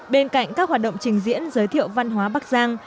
bên cạnh các hoạt động trình diễn giới thiệu văn hóa bắc giang